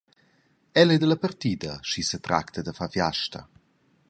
El ei era dalla partida, sch’ei setracta da far fiasta.